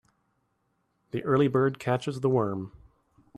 The early bird catches the worm.